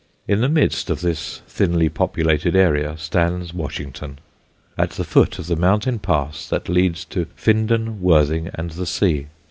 In the midst of this thinly populated area stands Washington, at the foot of the mountain pass that leads to Findon, Worthing and the sea.